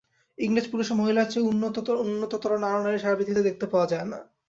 ইংরেজ পুরুষ ও মহিলার চেয়ে উন্নততর নরনারী সারা পৃথিবীতে দেখতে পাওয়া যায় না।